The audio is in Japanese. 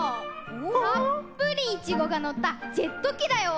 たっぷりイチゴがのったジェットきだよ。